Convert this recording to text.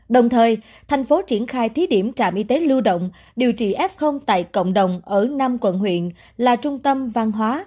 đồng thời thành phố triển khai thí điểm trạm y tế lưu động điều trị f tại cộng đồng ở năm quận huyện là trung tâm văn hóa